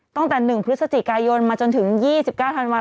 ตั้งแต่๑พฤศจิกายนมาจนถึง๒๙ธันวาค